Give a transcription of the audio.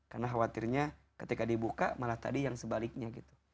karena khawatirnya ketika dibuka malah tadi yang sebaliknya gitu